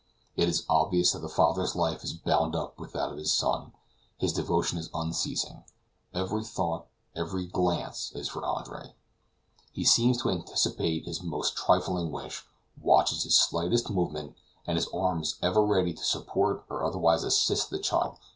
It is obvious that the father's life is bound up with that of his son; his devotion is unceasing; every thought, every glance is for Andre; he seems to anticipate his most trifling wish, watches his slightest movement, and his arm is ever ready to support or otherwise assist the child whose sufferings he more than shares.